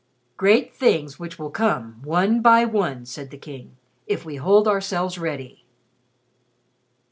"Great things which will come, one by one," said the King, "if we hold ourselves ready."